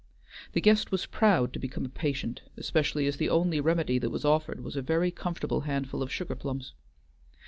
The guest was proud to become a patient, especially as the only remedy that was offered was a very comfortable handful of sugar plums.